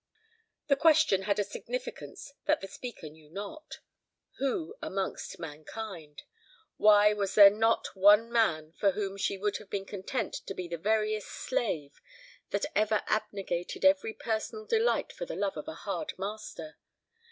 The question had a significance that the speaker knew not. Who amongst mankind? Why, was there not one man for whom she would have been content to be the veriest slave that ever abnegated every personal delight for the love of a hard master?